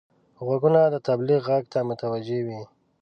غوږونه د تبلیغ غږ ته متوجه وي